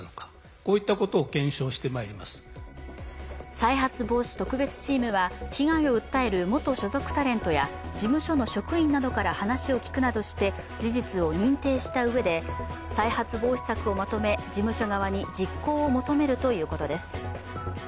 再発防止特別チームは被害を訴える元所属タレントや事務所の職員などから話を聞くなどして事実を認定したうえで再発防止策をまとめ、事務所側に実行を求めるということです。